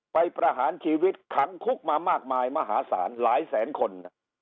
ประหารชีวิตขังคุกมามากมายมหาศาลหลายแสนคน